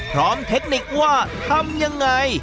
พร้อมเทคนิคว่าทำยังไง